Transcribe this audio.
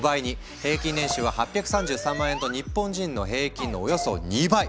平均年収は８３３万円と日本人の平均のおよそ２倍！